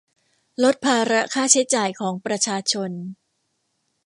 ลดภาระค่าใช้จ่ายของประชาชน